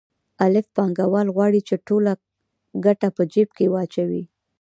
الف پانګوال غواړي چې ټوله ګټه په جېب کې واچوي